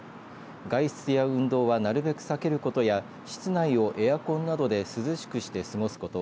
外出や運動はなるべく避けることや室内をエアコンなどで涼しくして過ごすこと